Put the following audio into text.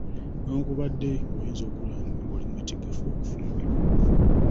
Newankubadde ng'oyinza okuwulira ng'oli mwetegefu okufumbirwa.